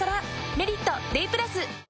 「メリットＤＡＹ＋」